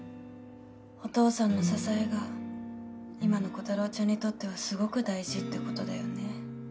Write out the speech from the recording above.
お父さんの支えが今のコタローちゃんにとってはすごく大事って事だよね。